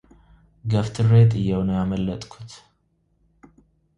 ገፍትሬ ጥዬው ነው ያመለጥኩት፡፡